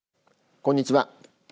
こんにちは。